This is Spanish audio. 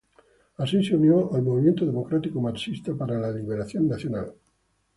Allí se unió a Movimiento Democrático Marxista para la Liberación Nacional.